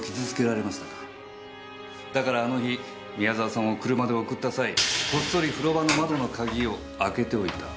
だからあの日宮澤さんを車で送った際こっそり風呂場の窓の鍵を開けておいた。